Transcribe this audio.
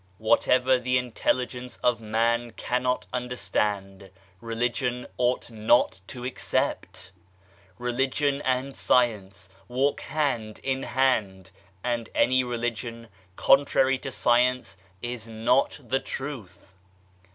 " Whatever the Intelligence of man cannot understand, Religion ought not to accept. Religion and Science walk hand in hand, and any Religion contrary to Science is not the Truth.